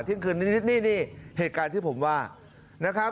เที่ยงคืนนิดนี่นี่เหตุการณ์ที่ผมว่านะครับ